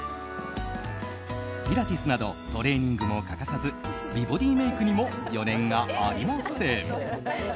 ピラティスなどトレーニングも欠かさず美ボディーメイクにも余念がありません。